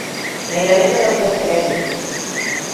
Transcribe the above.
Gairebé tot el teu credo.